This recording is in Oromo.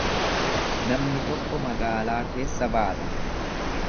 Namni tokko magaalaa keessa baata.